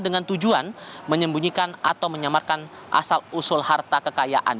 dengan tujuan menyembunyikan atau menyamarkan asal usul harta kekayaan